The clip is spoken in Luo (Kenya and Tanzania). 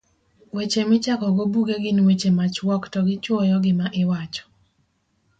Weche Michakogo Buge gin weche machuok to gichuoyo gima iwacho.